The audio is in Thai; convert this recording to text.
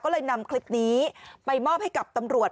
ก็เลยนำคลิปนี้ไปมอบให้กับตำรวจ